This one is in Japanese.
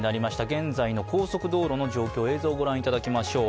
現在の高速道路の状況、映像をご覧いただきましょう。